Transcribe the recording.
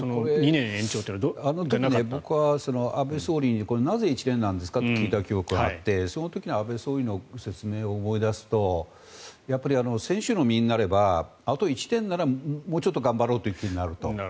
僕は安倍総理になぜ１年なんですか？と聞いたことがあってその時に安倍総理の説明を思い出すとやっぱり、選手の身になればあと１年ならもうちょっと頑張ろうという気になると。